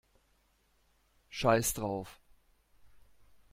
Scheiß drauf!